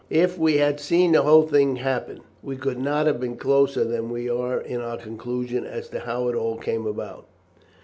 "If we had seen the whole thing happen, we could not have been closer than we were in our conclusion as to how it all came about.